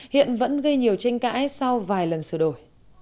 hiện vẫn gây nhiều tranh cãi sau vài lần sửa đổi